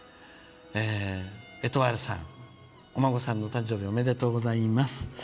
エトワールさん、お孫さんのお誕生日、おめでとうございます。